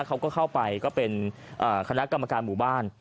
เขาก็เข้าไปก็เป็นคณะกรรมการหมู่บ้าน